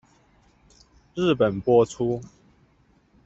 日本播出。